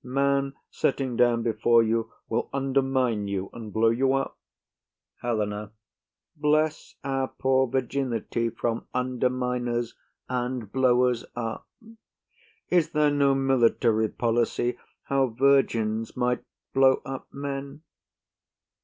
Man setting down before you will undermine you and blow you up. HELENA. Bless our poor virginity from underminers and blowers up! Is there no military policy how virgins might blow up men?